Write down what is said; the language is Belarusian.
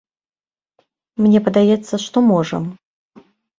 Мне падаецца, што можам.